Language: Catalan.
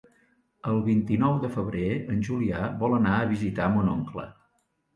El vint-i-nou de febrer en Julià vol anar a visitar mon oncle.